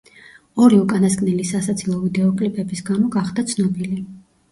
ორი უკანასკნელი სასაცილო ვიდეოკლიპების გამო გახდა ცნობილი.